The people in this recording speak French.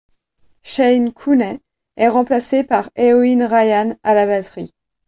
Shane Cooney est remplacé par Eoin Ryan à la batterie.